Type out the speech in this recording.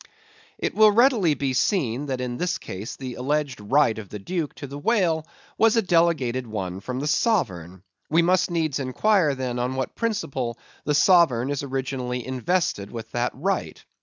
It will readily be seen that in this case the alleged right of the Duke to the whale was a delegated one from the Sovereign. We must needs inquire then on what principle the Sovereign is originally invested with that right.